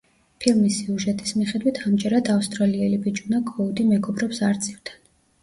ფილმის სიუჟეტის მიხედვით, ამჯერად, ავსტრალიელი ბიჭუნა კოუდი მეგობრობს არწივთან.